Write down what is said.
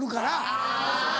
あぁ。